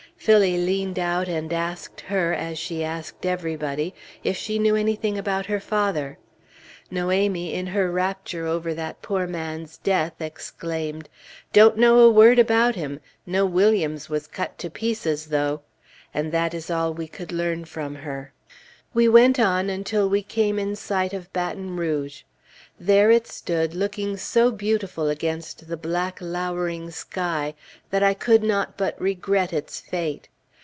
Phillie leaned out, and asked her, as she asked everybody, if she knew anything about her father. Noémie, in her rapture over that poor man's death, exclaimed, "Don't know a word about him! know Williams was cut to pieces, though!" and that is all we could learn from her. We went on until we came in sight of Baton Rouge. There it stood, looking so beautiful against the black, lowering sky that I could not but regret its fate.